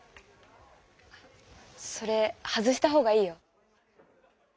それ外した方がいいよ。